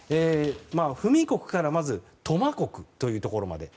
不弥国からまず投馬国というところまで。